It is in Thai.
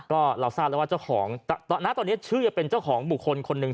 ก็เราทราบแล้วว่าเจ้าของณตอนนี้ชื่อจะเป็นเจ้าของบุคคลคนหนึ่ง